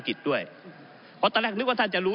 ก็ได้มีการอภิปรายในภาคของท่านประธานที่กรกครับ